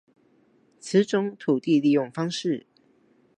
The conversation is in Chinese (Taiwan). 此種土地利用方式